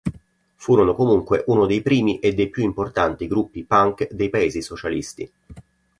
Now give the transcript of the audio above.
Furono comunque uno dei primi e dei più importanti gruppi punk dei Paesi socialisti.